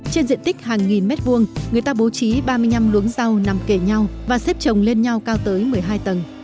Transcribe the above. trên diện tích hàng nghìn mét vuông người ta bố trí ba mươi năm luống rau nằm kề nhau và xếp trồng lên nhau cao tới một mươi hai tầng